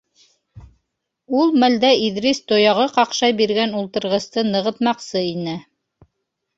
Ул мәлдә Иҙрис тояғы ҡаҡшай биргән ултырғысты нығытмаҡсы ине.